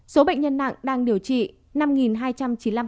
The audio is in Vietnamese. số bệnh nhân nặng đang điều trị năm hai trăm chín mươi năm ca